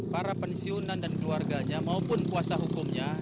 para pensiunan dan keluarganya maupun kuasa hukumnya